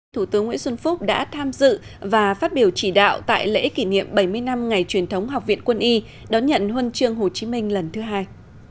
thủ tướng nguyễn xuân phúc đã tham dự và phát biểu chỉ đạo tại lễ kỷ niệm bảy mươi năm ngày truyền thống học viện quân y đón nhận huân chương hồ chí minh lần thứ hai